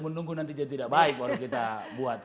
menunggu nanti jadi tidak baik kalau kita buat